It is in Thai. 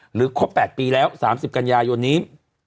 ครบ๘ปีแล้ว๓๐กันยายนนี้